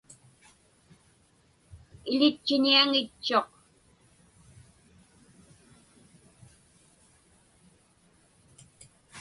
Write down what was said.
Iḷitchiniaŋitchuq.